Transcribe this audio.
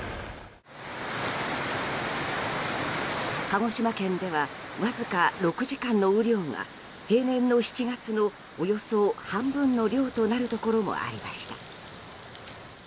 鹿児島県ではわずか６時間の雨量が平年の７月のおよそ半分の量となるところもありました。